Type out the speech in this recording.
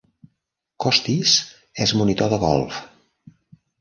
Kostis és monitor de golf